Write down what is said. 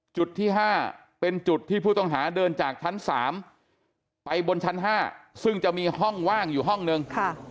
จุดที่๕เป็นจุดที่ผู้ต้องหาเดินจากชั้น๓ไปบนชั้น๕ซึ่งจะมีห้องว่างอยู่ห้องนึง